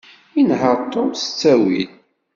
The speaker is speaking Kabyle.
Inehheṛ Tom s ttawil.